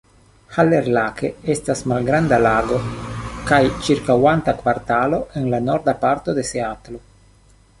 Haller Lake estas malgranda lago kaj ĉirkaŭanta kvartalo en la norda parto de Seatlo.